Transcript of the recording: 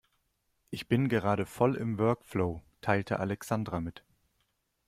Ich bin gerade voll im Workflow, teilte Alexandra mit.